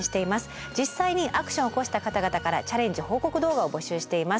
実際にアクションを起こした方々からチャレンジ報告動画を募集しています。